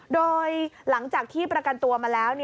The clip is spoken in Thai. โดยหลังจากที่ประกันตัวมาแล้ว